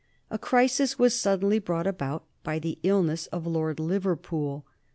A crisis was suddenly brought about by the illness of Lord Liverpool.